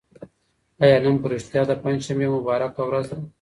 آیا نن په رښتیا د پنجشنبې مبارکه ورځ ده؟